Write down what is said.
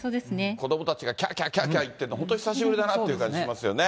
子どもたちがきゃーきゃーきゃーきゃー言ってんの本当、久しぶりだなって感じしますよね。